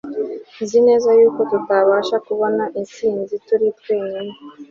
Nzi neza yuko tutabasha kubona intsinzi turi twenyine